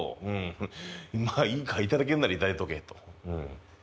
まあいいか頂けるなら頂いとけと。